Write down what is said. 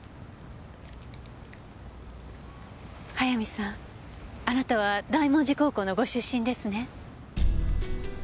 速水さんあなたは大文字高校のご出身ですね？